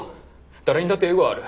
誰にだってエゴはある。